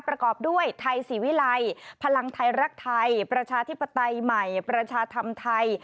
ประกอบด้วยไทยศรีวิลัยพลังไทยรักไทยประชาธิปไตยใหม่ประชาธรรมไทย